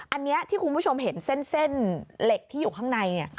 อันนี้ที่คุณผู้ชมเห็นเส้นเหล็กที่อยู่ข้างใน